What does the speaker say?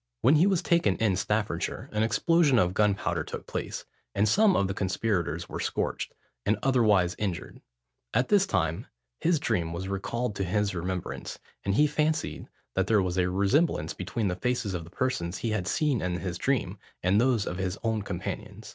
When he was taken in Staffordshire, an explosion of gunpowder took place, and some of the conspirators were scorched, and otherwise injured; at this time, his dream was recalled to his remembrance, and he fancied that there was a resemblance between the faces of the persons he had seen in his dream, and those of his companions.